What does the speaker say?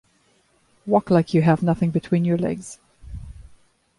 Walk like you have nothing between your legs.